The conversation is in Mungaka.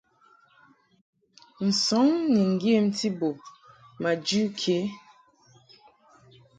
Nsɔŋ ni ŋgyemti bo ma jɨ ke.